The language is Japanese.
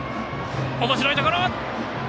おもしろいところ。